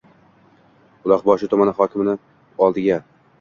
Buloqboshi tumani hokimini oldiga